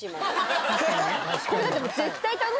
これだって。